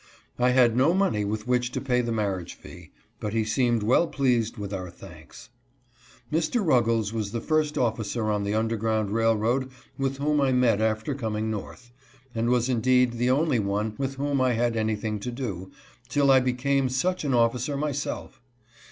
I had no money with which to pay the mar riage fee, but he seemed well pleased with our thanks. Mr. Ruggles was the first officer on the underground railroad with whom I met after coming North, and was indeed the only one with whom I had anything to do, till I became such an officer myself.